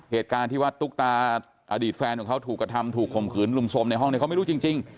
เหตุการณ์ที่ว่าตุ๊กตาอดีตแฟนของเขาถูกกระทำถูกข่มขืนลุมสมในห้องเนี่ยเขาไม่รู้จริง